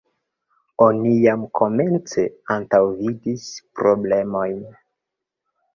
Oni jam komence antaŭvidis problemojn.